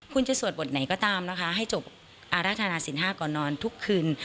คุณจะสวดบทไหนก็ตามนะคะให้จบอารัฐนาสินห้าก่อนนอนทุกคืน